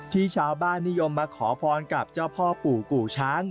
ที่ชาวบ้านนิยมมาขอพรกับเจ้าพ่อปู่กู่ช้าง